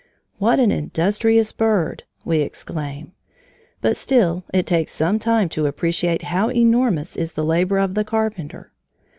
"What an industrious bird!" we exclaim; but still it takes some time to appreciate how enormous is the labor of the Carpenter.